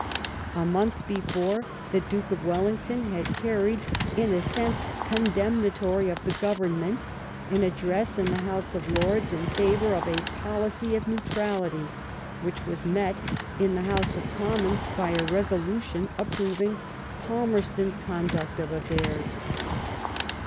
A month before the Duke of Wellington had carried, in a sense condemnatory of the Government, an address in the House of Lords in favour of a policy of neutrality, which was met in the House of Commons by a resolution approving Palmerston's conduct of affairs.